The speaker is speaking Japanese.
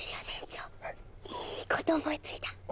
船長いいこと思いついた。